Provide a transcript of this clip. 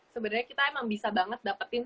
sebenarnya kita emang bisa banget dapetin